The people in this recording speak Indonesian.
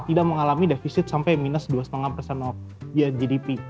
kita mengalami defisit sampai minus dua lima gdp